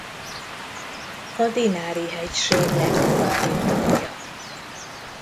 A Dinári-hegység legnyugatibb tagja.